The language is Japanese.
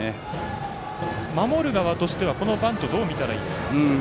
守る側としては、このバントどう見たらいいですか？